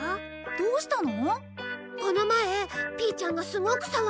どうしたの？